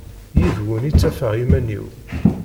Yid-wen i ttafeɣ iman-iw.